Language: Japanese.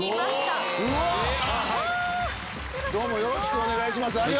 よろしくお願いします。